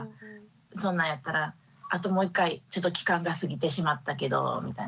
そんなんやったらあともう１回ちょっと期間が過ぎてしまったけどみたいな